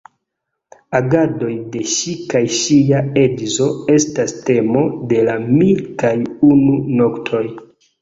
Agadoj de ŝi kaj ŝia edzo estas temo de la "Mil kaj unu noktoj".